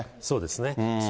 そうですね。